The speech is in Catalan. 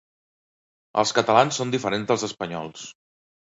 Els catalans són diferents dels espanyols.